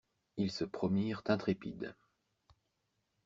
Ils se promirent intrépides.